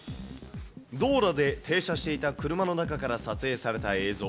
道路で停車していた車の中から撮影された映像。